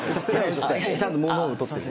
ちゃんとものを撮ってる。